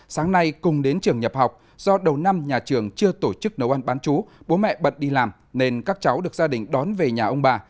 sáng nay cùng đến trường nhập học do đầu năm nhà trường chưa tổ chức nấu ăn bán chú bố mẹ bận đi làm nên các cháu được gia đình đón về nhà ông bà